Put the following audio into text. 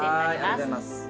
ありがとうございます。